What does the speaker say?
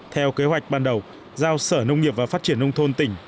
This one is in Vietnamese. theo kế hoạch ban đầu giao sở nông nghiệp và phát triển nông thôn tỉnh